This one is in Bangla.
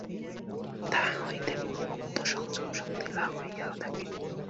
তাহা হইতে পূর্বোক্ত সংযমশক্তি লাভ হইয়া থাকে।